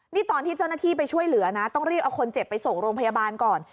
นี่ตอนที่เจ้าหน้าที่ไปช่วยเหลือนะต้องรีบเอาคนเจ็บไปส่งโรงพยาบาลก่อน